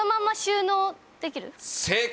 正解。